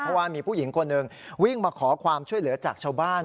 เพราะว่ามีผู้หญิงคนหนึ่งวิ่งมาขอความช่วยเหลือจากชาวบ้าน